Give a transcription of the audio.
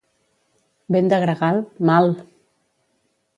Vent de gregal? Mal!